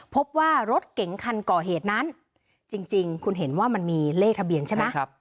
พบว่ารถเก๋งคันก่อเหตุนั้นจริงคุณเห็นว่ามันมีเลขทะเบียนใช่ไหม